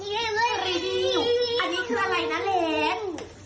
รีวิวอันนี้คืออะไรนะเลน